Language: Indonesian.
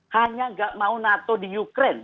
hanya gak mau nato di ukraine